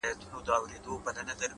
• د ټپې په رزم اوس هغه ده پوه سوه؛